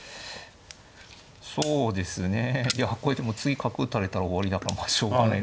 そうですねいやこれでも次角打たれたら終わりだからまあしょうがない。